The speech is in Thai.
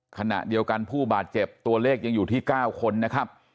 ขณะเดียวกันผู้บาดเจ็บตัวเลขยังอยู่ที่๙คนนะครับ